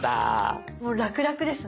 もうラクラクですね。